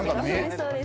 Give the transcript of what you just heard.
そうです